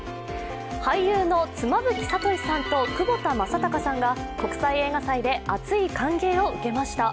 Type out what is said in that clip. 俳優の妻夫木聡さんと窪田正孝さんが国際映画祭で熱い歓迎を受けました。